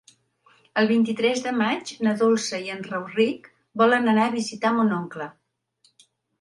El vint-i-tres de maig na Dolça i en Rauric volen anar a visitar mon oncle.